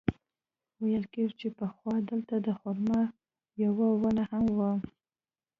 ویل کېږي چې پخوا دلته د خرما یوه ونه هم وه.